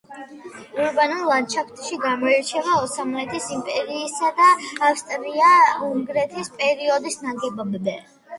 ურბანულ ლანდშაფტში გამოირჩევა ოსმალეთის იმპერიისა და ავსტრია-უნგრეთის პერიოდის ნაგებობები.